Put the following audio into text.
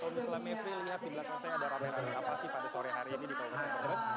dan kalau misalnya mevri lihat di belakang saya ada ramai ramai apa sih pada sore hari ini di kabupaten berbas